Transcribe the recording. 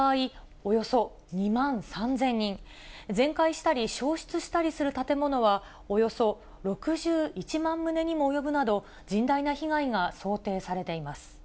およそ２万３０００人、全壊したり、焼失したりする建物は、およそ６１万棟にも及ぶなど、甚大な被害が想定されています。